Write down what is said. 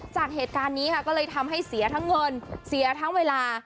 จากเหตุการณ์นี้ค่ะก็เลยทำให้เสียทั้งเงินเสียทั้งเวลา